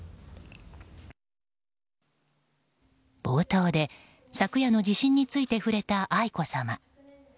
冒頭で、昨夜の地震について触れた愛子さま。